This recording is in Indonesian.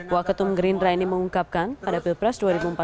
waketum gerindra ini mengungkapkan pada pilpres dua ribu empat belas